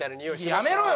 やめろよ！